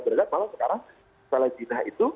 berada malah sekarang salah jidah itu